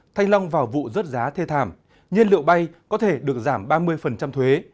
thanh long vào vụ rớt giá thê thảm nhiên liệu bay có thể được giảm ba mươi thuế